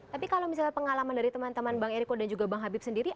tapi kalau misalnya pengalaman dari teman teman bang eriko dan juga bang habib sendiri